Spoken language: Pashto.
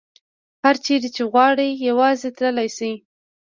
هر چیرې چې وغواړي یوازې تللې شي.